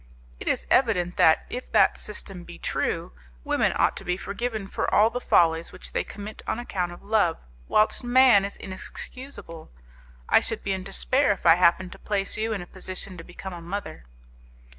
It is evident that, if that system be true, women ought to be forgiven for all the follies which they commit on account of love, whilst man is inexcusable, and I should be in despair if I happened to place you in a position to become a mother."